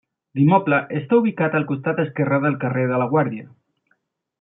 L'immoble està ubicat al costat esquerre del carrer La Guàrdia.